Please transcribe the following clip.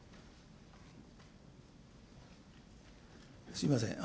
すみません。